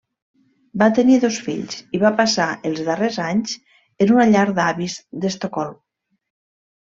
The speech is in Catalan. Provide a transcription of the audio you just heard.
Va tenir dos fills i va passar els darrers anys en una llar d'avis d'Estocolm.